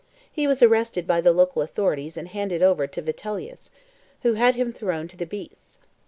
He was arrested by the local authorities and handed over to Vitellius, who had him thrown to the beasts.